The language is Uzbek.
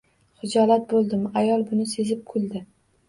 Xijolat bo‘ldim, ayol buni sezib kuldi.